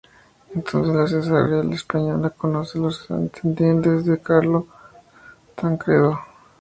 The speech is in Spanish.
Entonces la Casa Real española reconoce a los descendientes de Carlos Tancredo.